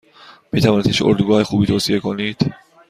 میتوانید هیچ اردوگاه خوبی توصیه کنید؟